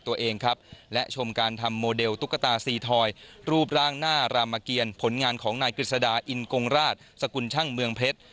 ตุ๊กตาสีทอยรูปร่างหน้ารามเกียรติผลงานของนายกฤษดาอินกงราชสกุลชั่งเมืองเพชร